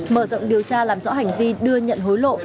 mở rộng điều tra làm rõ hành vi đưa nhận hối lộ